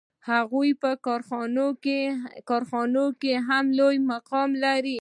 هغوی په کارخانو کې هم لوړ مقام لري